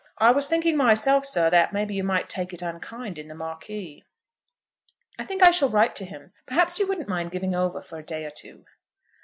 I was thinking myself, sir, that maybe you might take it unkind in the Marquis." "I think I shall write to him. Perhaps you wouldn't mind giving over for a day or two."